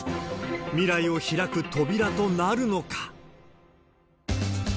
未来を開く扉となるのか。